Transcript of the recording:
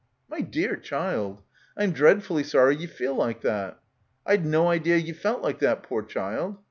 "My dear child ! I'm dreadfully sorry ye feel like that. I'd no idea ye felt like that, poor child.